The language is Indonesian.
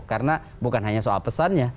karena bukan hanya soal pesannya